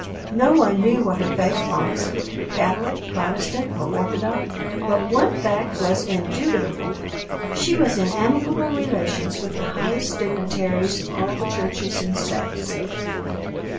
No one knew what her faith was—Catholic, Protestant, or Orthodox. But one fact was indubitable—she was in amicable relations with the highest dignitaries of all the churches and sects.